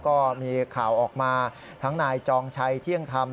ก็มีข่าวออกมาทั้งนายจองชัยเที่ยงธรรม